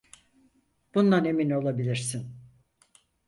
Bundan emin olabilirsin.